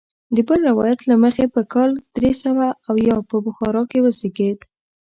د بل روایت له مخې په کال درې سوه اویا په بخارا کې وزیږېد.